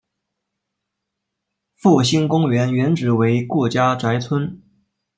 复兴公园原址为顾家宅村。